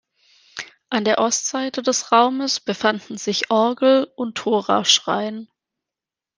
An der Ostseite des Raumes befanden sich Orgel und Toraschrein.